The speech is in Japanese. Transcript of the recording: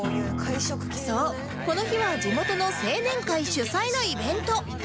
そうこの日は地元の青年会主催のイベント